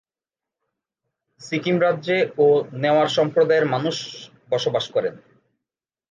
সিকিম রাজ্যে ও নেওয়ার সম্প্রদায়ের মানুষ বসবাস করেন।